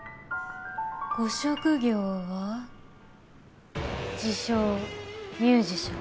ご職業は自称ミュージシャン。